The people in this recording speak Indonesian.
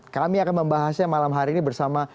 kami akan membahasnya malam hari ini bersama